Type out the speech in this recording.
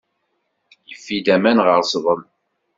Yeffi-d aman ɣer sḍel.